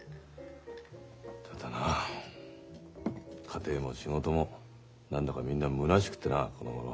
ただな家庭も仕事も何だかみんなむなしくってなこのごろ。